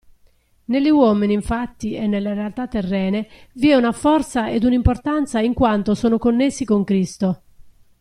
Negli uomini infatti e nelle realtà terrene vi è una forza ed una importanza in quanto sono connessi con Cristo.